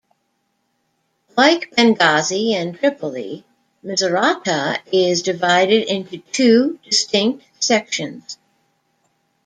Like Benghazi and Tripoli, Misurata is divided into two distinct sections.